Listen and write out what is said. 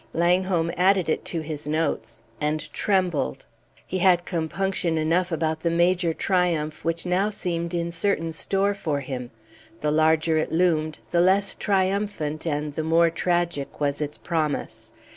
Langholm added it to his notes and trembled! He had compunction enough about the major triumph which now seemed in certain store for him; the larger it loomed, the less triumphant and the more tragic was its promise.